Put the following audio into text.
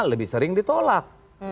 lebih sering ditolak